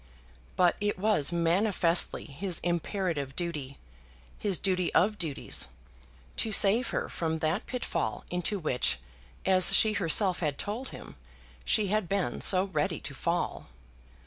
But it was manifestly his imperative duty, his duty of duties, to save her from that pitfall into which, as she herself had told him, she had been so ready to fall.